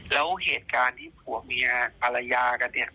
แล้วเหตุการณ์ที่ผัวเมียภรรยากันเนี่ย